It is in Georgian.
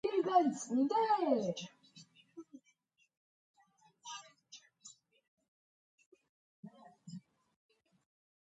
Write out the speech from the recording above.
სარკმლის ქვემოთ, კედელზე, მიდგმულია სატრაპეზო ქვა.